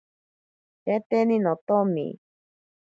Sheteni notomi.